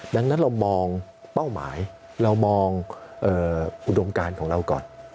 ดังนั้นเรามองเป้าหมายเรามองอุดมการของเราก่อน